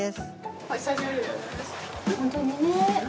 本当にね。